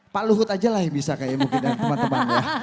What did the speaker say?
pak luhut aja lah yang bisa kayak mungkin dengan teman teman